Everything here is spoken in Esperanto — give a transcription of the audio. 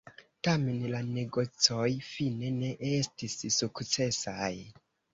Tamen la negocoj fine ne estis sukcesaj.